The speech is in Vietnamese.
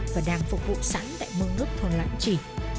và đang phục vụ sẵn tại mương nước thôn lãnh chỉ